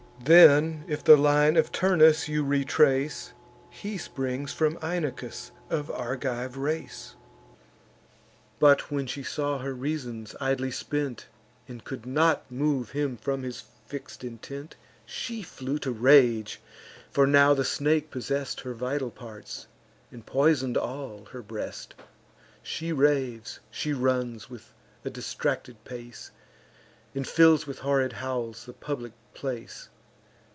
Then, if the line of Turnus you retrace, He springs from Inachus of Argive race." But when she saw her reasons idly spent, And could not move him from his fix'd intent, She flew to rage; for now the snake possess'd Her vital parts, and poison'd all her breast; She raves, she runs with a distracted pace, And fills with horrid howls the public place.